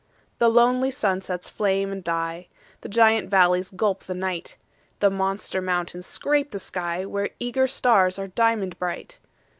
The lonely sunsets flame and die; The giant valleys gulp the night; The monster mountains scrape the sky, Where eager stars are diamond bright.